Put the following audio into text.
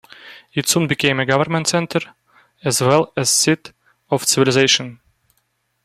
It soon became a government center as well as seat of civilization.